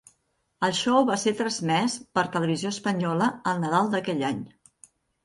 El show va ser transmès per Televisió Espanyola el nadal d'aquell any.